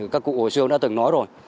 các cụ ổ xương đã từng nói rồi